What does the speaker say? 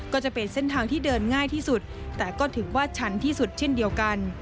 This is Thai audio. ก็จะเป็นเส้นทางที่เดินง่ายที่สุดแต่ก็ถือว่าชันที่สุดเช่นเดียวกัน